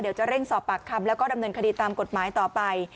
เดี๋ยวจะเร่งสอบปากคำแล้วก็ดำเนินคดีตามกฎหมายต่อไป